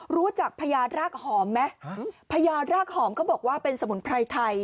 รู้จักพญารากหอมไหมพญารากหอมเขาบอกว่าเป็นสมุนไพรไทย